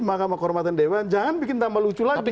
mkd jangan bikin tambah lucu lagi